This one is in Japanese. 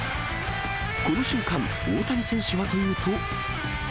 この瞬間、大谷選手はというと。